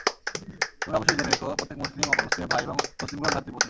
তোমরা অবশ্যই জেনে রেখো, প্রত্যেক মুসলিম অপর মুসলিমের ভাই এবং মুসলিমগণ ভ্রাতৃপ্রতিম।